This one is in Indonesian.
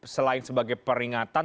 selain sebagai peringatan